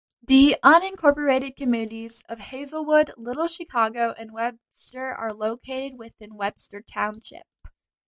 The unincorporated communities of Hazelwood, Little Chicago, and Webster are located within Webster Township.